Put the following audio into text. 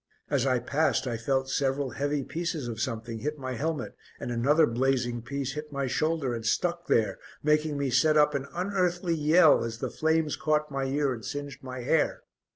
As I passed I felt several heavy pieces of something hit my helmet and another blazing piece hit my shoulder and stuck there, making me set up an unearthly yell as the flames caught my ear and singed my hair.